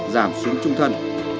giảm xuống trung thân